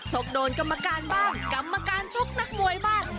กโดนกรรมการบ้างกรรมการชกนักมวยบ้าง